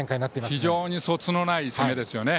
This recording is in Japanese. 非常にそつのない攻めですね。